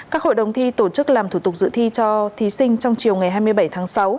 các hội đồng thi tổ chức làm thủ tục dự thi cho thí sinh trong chiều ngày hai mươi bảy tháng sáu